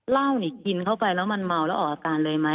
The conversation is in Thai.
เหล้านี่กินเข้าไปแล้วมันเมาแล้วออกอาการเลยไหม